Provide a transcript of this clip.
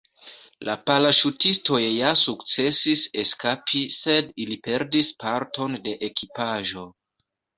La paraŝutistoj ja sukcesis eskapi, sed ili perdis parton de ekipaĵo.